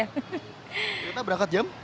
kereta berangkat jam